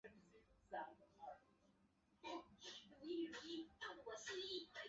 亚球孢黑腹菌是属于牛肝菌目黑腹菌科黑腹菌属的一种担子菌。